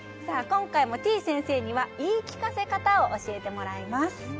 今回もてぃ先生には言い聞かせ方を教えてもらいます